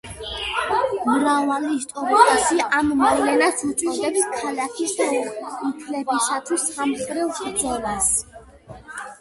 მრავალი ისტორიკოსი ამ მოვლენას უწოდებს ქალაქის დაუფლებისათვის „სამმხრივ ბრძოლას“.